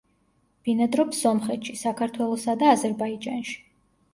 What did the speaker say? ბინადრობს სომხეთში, საქართველოსა და აზერბაიჯანში.